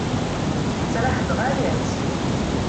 Tettraḥ-d ɣaya-tt!